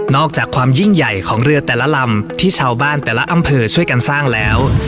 อกจากความยิ่งใหญ่ของเรือแต่ละลำที่ชาวบ้านแต่ละอำเภอช่วยกันสร้างแล้ว